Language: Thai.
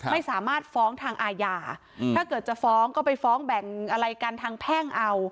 ไม่สามารถฟ้องทางอาญาถ้าเกิดจะฟ้องก็ไปฟ้องแบ่งอะไรกันทางแพ่งเอา